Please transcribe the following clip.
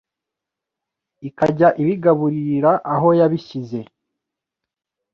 ikajya ibigaburirira aho yabishyize